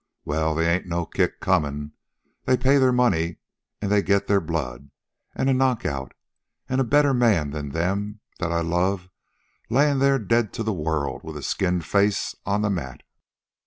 Well, they ain't no kick comin'. They pay their money an' they get their blood, an' a knockout. An' a better man than them, that I love, layin' there dead to the world with a skinned face on the mat."